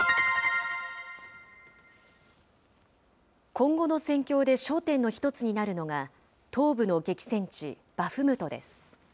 今後の戦況で焦点の１つになるのが東部の激戦地、バフムトです。